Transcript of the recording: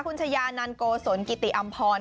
คุณชายานันโกศลกิติอำพร